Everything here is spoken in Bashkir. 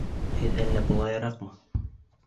Һеҙ әллә былайыраҡмы?